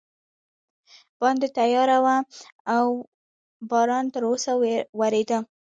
باندې تیاره وه او باران تراوسه ورېده.